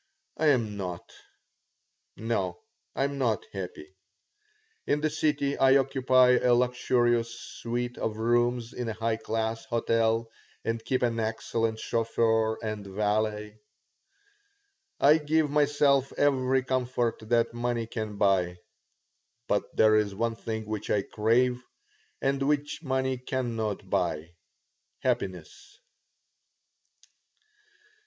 I am not. No, I am not happy In the city I occupy a luxurious suite of rooms in a high class hotel and keep an excellent chauffeur and valet. I give myself every comfort that money can buy. But there is one thing which I crave and which money cannot buy happiness.